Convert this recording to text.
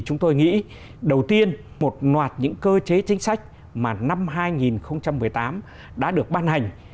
chúng tôi nghĩ đầu tiên một loạt những cơ chế chính sách mà năm hai nghìn một mươi tám đã được ban hành